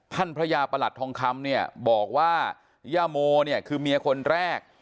พระยาประหลัดทองคำเนี่ยบอกว่าย่าโมเนี่ยคือเมียคนแรก